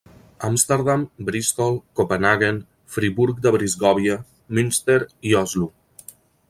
Amsterdam, Bristol, Copenhaguen, Friburg de Brisgòvia, Münster i Oslo.